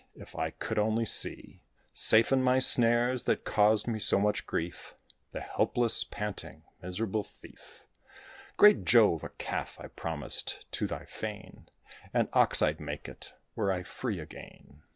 If I could only see Safe in my snares, that caused me so much grief, The helpless, panting, miserable thief, Great Jove! a Calf I promised to thy fane: An Ox I'd make it, were I free again."